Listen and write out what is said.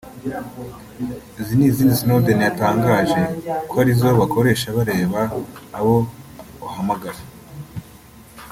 Izi n’izindi Snwoden yatangaje ko arizo bakoresha bareba abo uhamagara